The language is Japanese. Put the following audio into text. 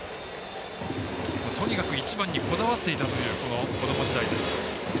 とにかく一番にこだわっていたというこども時代です。